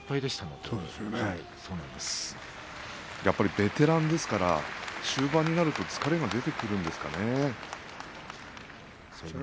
やっぱりベテランですから、終盤になると疲れが出てくるんですかね。